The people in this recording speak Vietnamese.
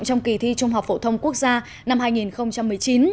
trong kỳ thi trung học phổ thông quốc gia năm hai nghìn một mươi chín